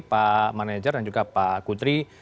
pak manajer dan juga pak kutri